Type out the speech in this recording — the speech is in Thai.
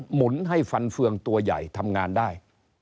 หุ่นให้ฟันเฟืองตัวใหญ่ทำงานได้